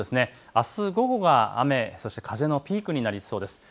あす午後、雨そして風のピークになりそうです。